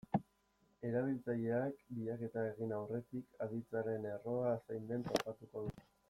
Erabiltzaileak bilaketa egin aurretik, aditzaren erroa zein den topatuko du.